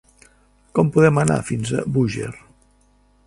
Com podem anar fins a Búger?